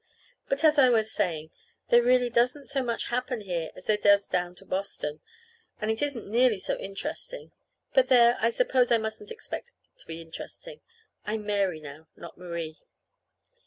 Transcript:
But, as I was saying, there really doesn't so much happen here as there does down to Boston; and it isn't nearly so interesting. But, there! I suppose I mustn't expect it to be interesting. I'm Mary now, not Marie.